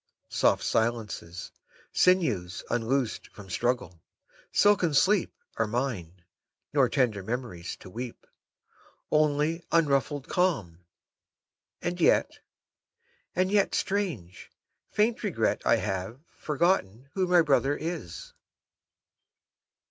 Soft silences, Sinews unloosed from struggle, silken sleep, 27 Are mine; nor tender memories to weep. Only unruffled calm; and yet — and yet — Strange, faint regret — I have forgotten who my brother is!